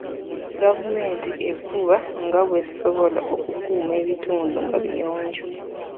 Gavumenti efuba nga bw'esobola okukuuma ebitundu nga biyonjo.